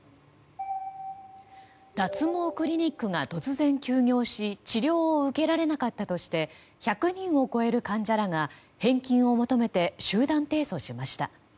脱毛クリニックが突然休業し治療を受けられなかったとして１００人を超える患者らが返金を求めて集団提訴しました。